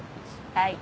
はい。